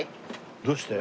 どうして？